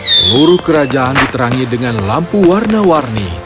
seluruh kerajaan diterangi dengan lampu warna warni